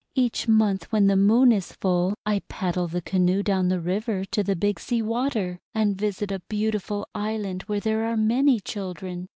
Each month when the Moon is full I paddle the canoe down the river to the Big Sea Water, and visit a beautiful island where there are many children.